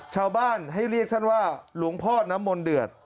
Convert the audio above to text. ชาวบ้านให้เรียกท่านว่าหลวงพ่อน้ำมนต์เดือด